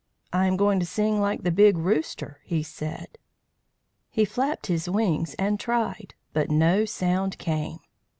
"I am going to sing like the Big Rooster," he said. He flapped his wings and tried, but no sound came.